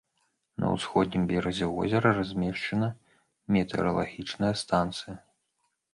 На ўсходнім беразе возера размешчана метэаралагічная станцыя.